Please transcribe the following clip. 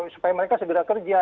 supaya mereka segera kerja